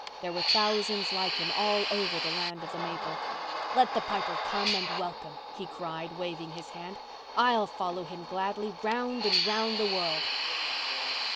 There were thousands like him all over the land of the maple. "Let the Piper come and welcome," he cried, waving his hand. "I'll follow him gladly round and round the world."